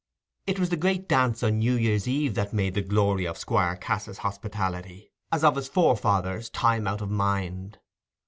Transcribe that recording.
It was the great dance on New Year's Eve that made the glory of Squire Cass's hospitality, as of his forefathers', time out of mind.